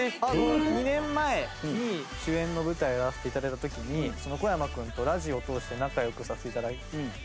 ２年前に主演の舞台をやらせて頂いた時に小山くんとラジオを通して仲良くさせて頂きまして。